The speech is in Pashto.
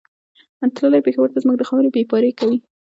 تللی پېښور ته زموږ د خاورې بېپاري کوي